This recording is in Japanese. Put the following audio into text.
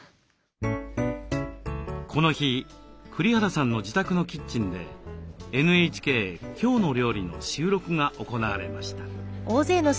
この日栗原さんの自宅のキッチンでＮＨＫ「きょうの料理」の収録が行われました。